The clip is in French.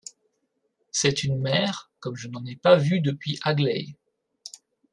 C’est une mère comme je n’en ai pas vu depuis Aglaé.